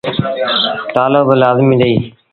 تآلو با لآزميٚ ڏئيٚ۔